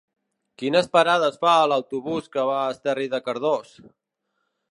Quines parades fa l'autobús que va a Esterri de Cardós?